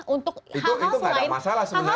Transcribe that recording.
untuk hal hal lain